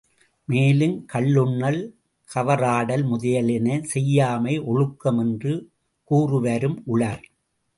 மேலும் கள்ளுண்ணல், கவறாடல் முதலியன செய்யாமை ஒழுக்கம் என்று கூறுவாரும் உளர்.